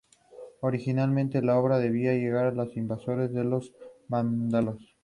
El equipo era dirigido por el ex mundialista Juan Carlos Oblitas.